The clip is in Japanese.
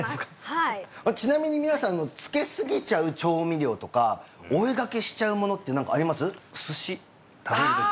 はいちなみに皆さんつけすぎちゃう調味料とか追いがけしちゃうものって何かあります？